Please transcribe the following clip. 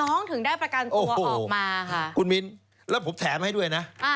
ถึงได้ประกันตัวออกมาค่ะคุณมิ้นแล้วผมแถมให้ด้วยนะ